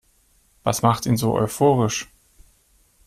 Was macht ihn so euphorisch?